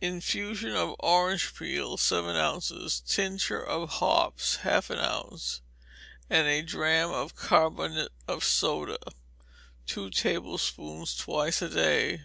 Infusion of orange peel, seven ounces; tincture of hops, half an ounce; and a drachm of carbonate of soda: two tablespoonfuls twice a day.